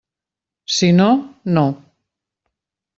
Si no, no.